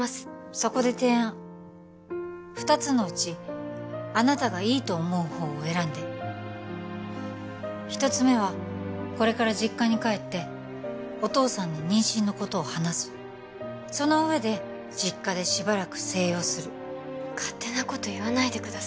そこで提案２つのうちあなたがいいと思う方を選んで１つ目はこれから実家に帰ってお父さんに妊娠のことを話すその上で実家でしばらく静養する勝手なこと言わないでください